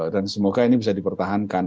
dan semoga ini bisa dipertahankan